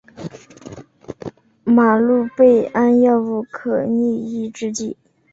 吗氯贝胺药物的可逆抑制剂。